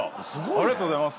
ありがとうございます。